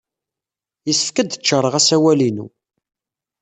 Yessefk ad d-ččaṛeɣ asawal-inu.